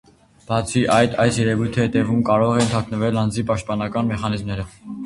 Բացի այդ, այս երևույթի հետևում կարող են թաքնվել անձի պաշտպանական մեխանիզմները։